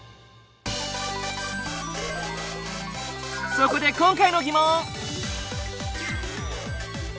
そこで今回の疑問！